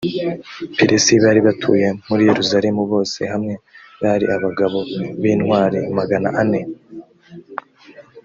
peresi bari batuye muri yerusalemu bose hamwe bari abagabo b intwari magana ane